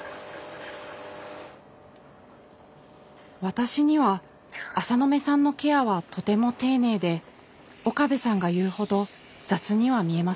私には浅野目さんのケアはとても丁寧で岡部さんが言うほど雑には見えませんでした。